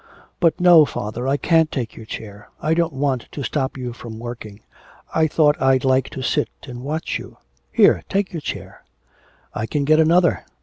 'But no, father, I can't take your chair. I don't want to stop you from working. I thought I'd like to sit and watch you. Here, take your chair.' 'I can get another.